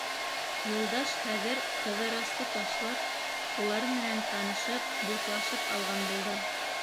Юлдаш хәҙер, Ҡыҙырасты ташлап, улар менән танышып, дуҫлашып алған булды.